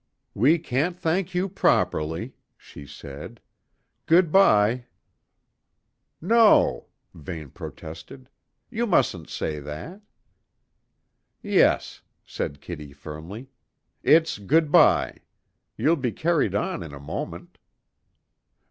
"We can't thank you properly," she said. "Good bye." "No," Vane protested. "You mustn't say that." "Yes," said Kitty firmly. "It's good bye. You'll be carried on in a moment."